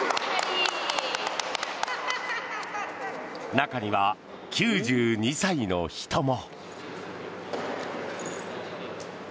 中には９２歳の人も。